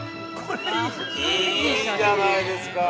◆いいじゃないですか！